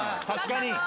確かに。